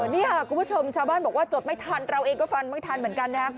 นี่ค่ะคุณผู้ชมชาวบ้านบอกว่าจดไม่ทันเราเองก็ฟันไม่ทันเหมือนกันนะครับ